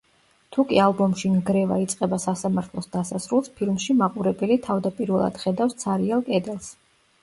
თუკი ალბომში ნგრევა იწყება სასამართლოს დასასრულს, ფილმში მაყურებელი თავდაპირველად ხედავს ცარიელ კედელს.